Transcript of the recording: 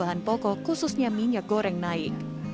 bahan pokok khususnya minyak goreng naik